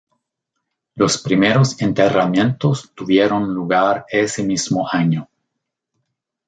Los primeros enterramientos tuvieron lugar ese mismo año.